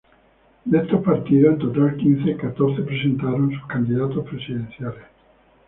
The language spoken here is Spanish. De estos partidos, en total quince, catorce presentaron sus candidatos presidenciales.